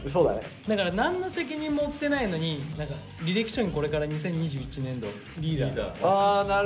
だから何の責任も負ってないのに履歴書にこれから２０２１年度リーダーって。